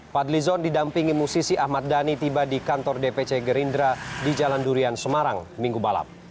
fadlizon didampingi musisi ahmad dhani tiba di kantor dpc gerindra di jalan durian semarang minggu balap